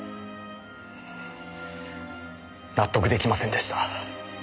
納得出来ませんでした。